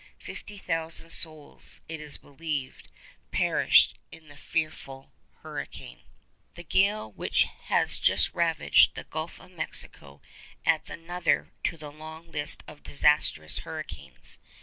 Fifty thousand souls, it is believed, perished in this fearful hurricane. The gale which has just ravaged the Gulf of Mexico adds another to the long list of disastrous hurricanes.